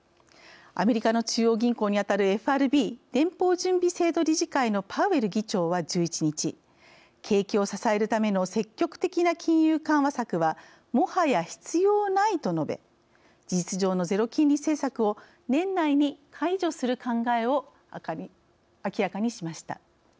アメリカの中央銀行にあたるＦＲＢ＝連邦準備制度理事会のパウエル議長は１１日景気を支えるための積極的な金融緩和策はもはや必要ないと述べ事実上のゼロ金利政策を年内に解除する考えを明らかにしました。